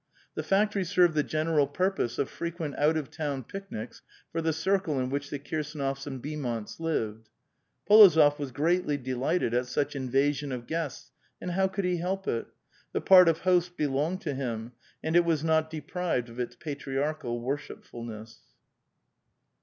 The factory served the general purpose of fre quent out of town picnics for the circle in which the Kirsd nofs and Beaumonts lived. P61ozof was greatly delighted at such invasion of guests, and how could he help it? The part of host belonged to him, and it was not deprived of its patriarchal worshipfulness.